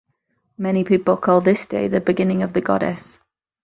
Many people call this day the beginning of the goddess.